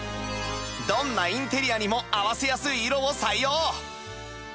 どんなインテリアにも合わせやすい色を採用